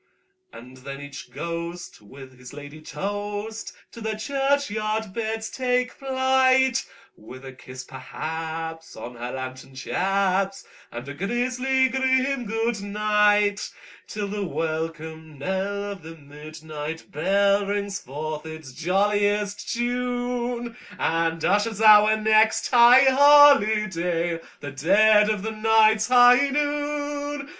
And then each ghost with his ladye toast to their churchyard beds take flight, With a kiss, perhaps, on her lantern chaps, and a grisly grim "good night"; Till the welcome knell of the midnight bell rings forth its jolliest tune, And ushers our next high holiday—the dead of the night's high noon!